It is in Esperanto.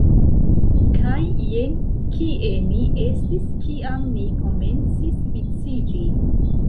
Kaj jen kie ni estis kiam ni komencis viciĝi